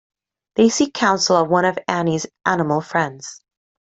They seek counsel of one of Annie's animal friends.